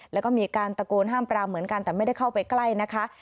แล้วก็มีการตะโกนห้ามปรามเหมือนกันแต่ไม่ได้เข้าไปใกล้นะคะ